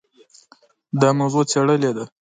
دا موضوع څېړلې ده.